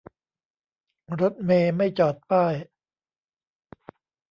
รถเมล์ไม่จอดป้าย